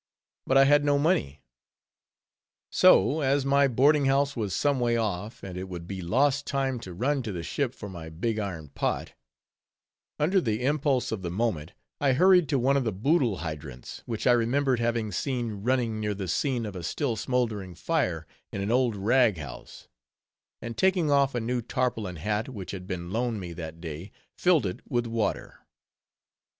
But I had no money. So as my boarding house was some way off, and it would be lost time to run to the ship for my big iron pot; under the impulse of the moment, I hurried to one of the Boodle Hydrants, which I remembered having seen running near the scene of a still smoldering fire in an old rag house; and taking off a new tarpaulin hat, which had been loaned me that day, filled it with water.